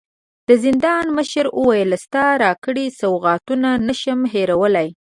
د زندان مشر وويل: ستا راکړي سوغاتونه نه شم هېرولی.